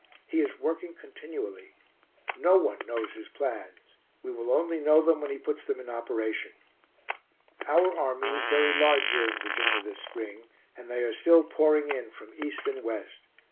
He is working continually. No one knows his plans; we will only know them when he puts them in operation. Our army is very large here in Virginia this spring, and they are still pouring in from east and west.